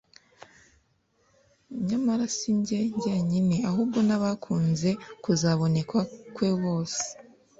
Nyamara sinjye jyenyine, ahubwo n'abakunze kuzaboneka kwe bose.»